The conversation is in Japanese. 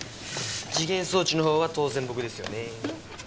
時限装置の方は当然僕ですよね。